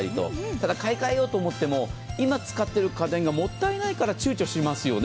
ただ買い換えようと思っても今、使っている家電がもったいないからちゅうちょしますよね。